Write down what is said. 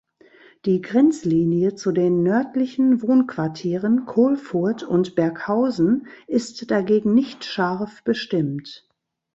Die Grenzlinie zu den nördlichen Wohnquartieren Kohlfurth und Berghausen ist dagegen nicht scharf bestimmt.